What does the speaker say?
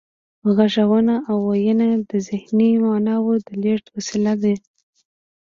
غږونه او وییونه د ذهني معناوو د لیږد وسیلې دي